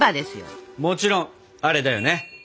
もちろんあれだよね。